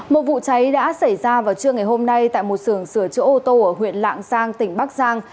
một vụ cháy đã xảy ra vào trưa ngày hôm nay tại một sưởng sửa chữa ô tô ở huyện lạng giang tỉnh bắc giang